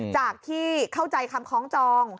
จากที่เข้าใจคำคล้องจอง